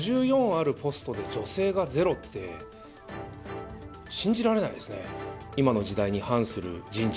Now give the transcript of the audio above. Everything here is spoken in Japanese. あるポストで、女性がゼロって、信じられないですね。